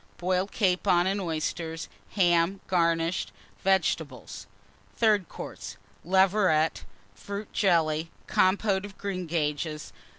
Boiled Capon and Oysters. Ham, garnished. Vegetables. THIRD COURSE. Leveret. Fruit Jelly. Compote of Greengages.